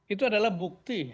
itu adalah bukti